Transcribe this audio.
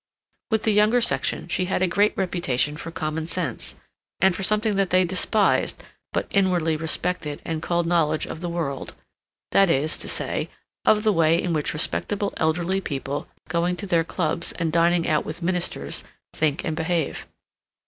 With the younger section she had a great reputation for common sense, and for something that they despised but inwardly respected and called knowledge of the world—that is to say, of the way in which respectable elderly people, going to their clubs and dining out with ministers, think and behave.